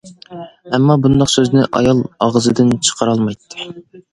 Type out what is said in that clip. ئەمما، بۇنداق سۆزنى ئايال ئاغزىدىن چىقىرالمايتتى.